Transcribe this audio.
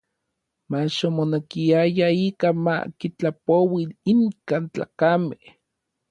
Mach omonekiaya ikaj ma kitlapoui inkan tlakamej.